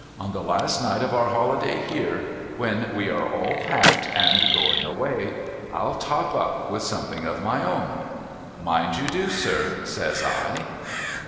On the last night of our holiday here when we are all packed and going away, I'll top up with something of my own^.' ' Mind you do sir ' says I.